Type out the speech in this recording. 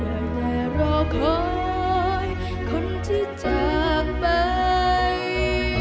แน่แน่รอคอยคนที่จากไป